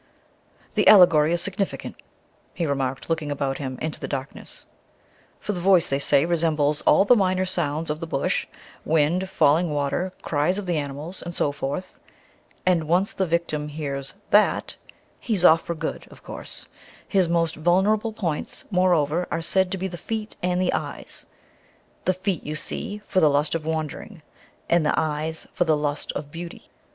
"The allegory is significant," he remarked, looking about him into the darkness, "for the Voice, they say, resembles all the minor sounds of the Bush wind, falling water, cries of the animals, and so forth. And, once the victim hears that he's off for good, of course! His most vulnerable points, moreover, are said to be the feet and the eyes; the feet, you see, for the lust of wandering, and the eyes for the lust of beauty.